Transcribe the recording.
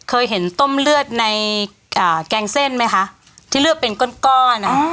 เคยเห็นต้มเลือดในแกงเส้นไหมคะที่เลือดเป็นก้อนก้อนอ่ะ